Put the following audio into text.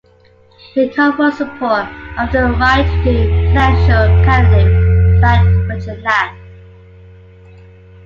He called for support of the right wing presidential candidate Pat Buchanan.